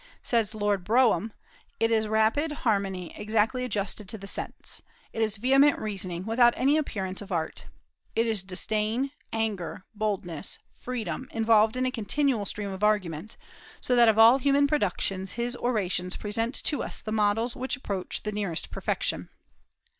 Says Lord Brougham, "It is rapid harmony exactly adjusted to the sense. It is vehement reasoning, without any appearance of art. It is disdain, anger, boldness, freedom involved in a continual stream of argument; so that of all human productions his orations present to us the models which approach the nearest to perfection."